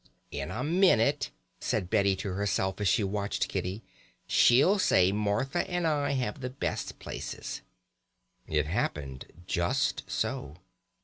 "In a minute," said Betty to herself as she watched Kitty, "she'll say Martha and I have the best places." It happened just so.